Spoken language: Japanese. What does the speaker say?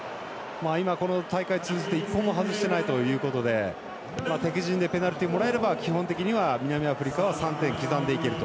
今、この大会通じて１本も外していないということで敵陣でペナルティもらえれば基本的には南アフリカは３点刻んでいけると。